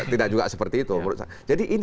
tidak juga seperti itu menurut saya